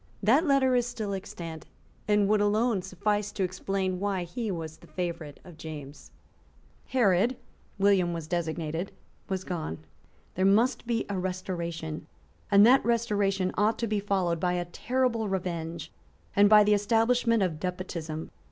That letter is still extant, and would alone suffice to explain why he was the favourite of James. Herod, so William was designated, was gone. There must be a restoration; and that restoration ought to be followed by a terrible revenge and by the establishment of despotism.